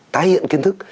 tái hiện kiến thức